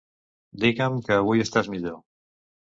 Diga'm que avui estàs millor.